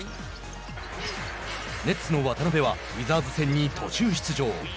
ネッツの渡邊はウィザーズ戦に途中出場。